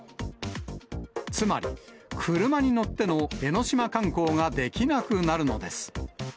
つまり車に乗っての江の島観光ができなくなるのです。